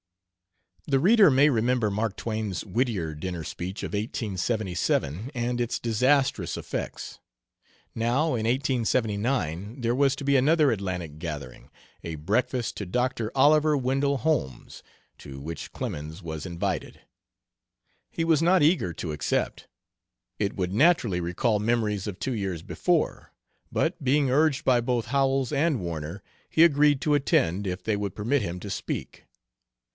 The reader may remember Mark Twain's Whittier dinner speech of 1877, and its disastrous effects. Now, in 1879, there was to be another Atlantic gathering: a breakfast to Dr. Oliver Wendell Holmes, to which Clemens was invited. He was not eager to accept; it would naturally recall memories of two years before, but being urged by both Howells and Warner, he agreed to attend if they would permit him to speak.